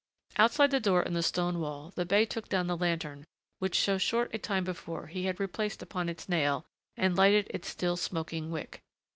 Outside the door in the stone wall the bey took down the lantern which so short a time before he had replaced upon its nail and lighted its still smoking wick.